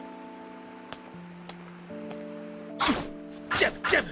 ジャブジャブ！